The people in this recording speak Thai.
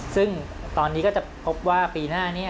ซึ่งตอนนี้ก็จะพบว่าปีหน้านี้